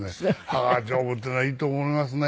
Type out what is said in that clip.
歯が丈夫っていうのはいいと思いますね。